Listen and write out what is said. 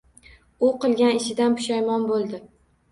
U qilgan ishidan pushaymon bo‘ldi